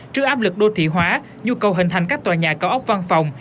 trước áp lực đô thị hóa nhu cầu hình thành các tòa nhà cao ốc văn phòng